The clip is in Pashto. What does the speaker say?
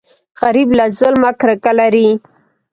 غریب له ظلمه کرکه لري